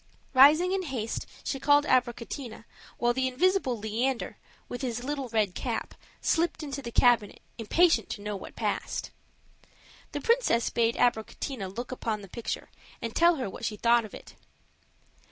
Rising in haste, she called Abricotina, while the invisible Leander, with his little red cap, slipped into the cabinet, impatient to know what passed. The princess bade Abricotina look upon the picture and tell her what she thought of it.